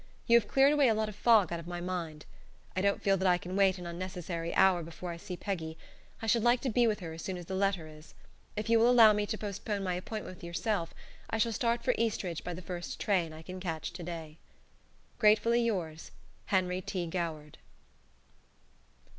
You have cleared away a lot of fog out of my mind. I don't feel that I can wait an unnecessary hour before I see Peggy. I should like to be with her as soon as the letter is. If you will allow me to postpone my appointment with yourself, I shall start for Eastridge by the first train I can catch to day. "Gratefully yours, "Henry T. Goward."